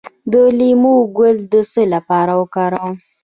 د لیمو ګل د څه لپاره وکاروم؟